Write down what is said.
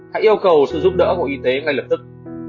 hãy yêu cầu sự giúp đỡ của y tế ngay lập tức